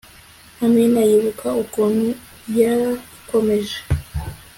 amina yibuka ukuntu yalla ikomeye